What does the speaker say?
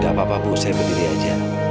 gak apa apa bu saya begini aja